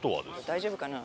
大丈夫かな？